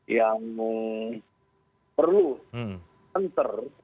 yang perlu enter